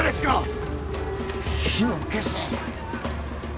火を消せ。